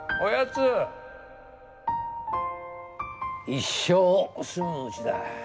一生住むうちだ。